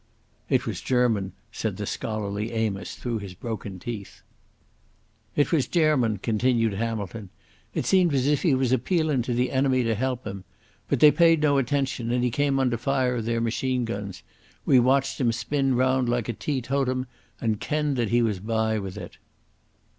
"It was German," said the scholarly Amos through his broken teeth. "It was Gairman," continued Hamilton. "It seemed as if he was appealin' to the enemy to help him. But they paid no attention, and he cam under the fire of their machine guns. We watched him spin round like a teetotum and kenned that he was bye with it."